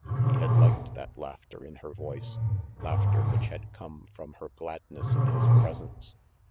He had liked that laughter in her voice, laughter which had come from her gladness in his presence.